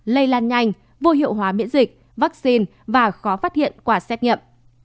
lây lan nhanh vô hiệu hóa miễn dịch vaccine và khó phát hiện qua xét nhậm